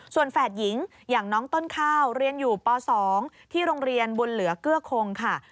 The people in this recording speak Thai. ส่วนแฝดหญิงอย่างน้องต้นข้าวเรียนอยู่ป๒ที่โรงเรียนบุญเหลือเกื้อคงค่ะ